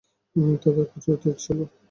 তাদের কাছেও তীর ছিল।